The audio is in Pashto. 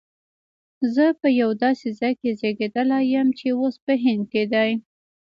زه په یو داسي ځای کي زیږېدلی یم چي اوس په هند کي دی